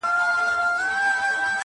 انسان وجدان سره ژوند کوي تل,